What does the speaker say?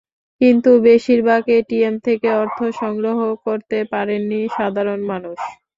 কিন্তু বেশির ভাগ এটিএম থেকে অর্থ সংগ্রহ করতে পারেননি সাধারণ মানুষ।